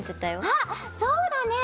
あっそうだね！